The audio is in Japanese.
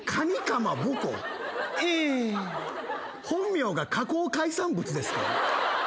本名が加工海産物ですか？